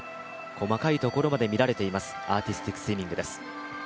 細かいところまで見られていますアーティスティックスイミング。